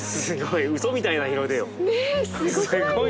すごい。